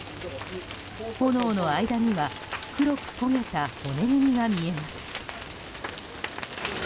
炎の間には黒く焦げた骨組みが見えます。